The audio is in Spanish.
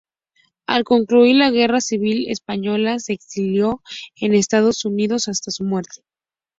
Al concluir la guerra civil española se exilió en Estados Unidos hasta su muerte.